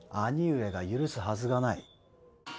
兄上が許すはずがない。